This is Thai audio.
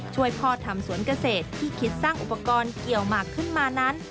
ช่วยพ่อทำสวนเกษตรที่คิดสร้างอุปกรณ์เกี่ยวหมากขึ้นมานั้น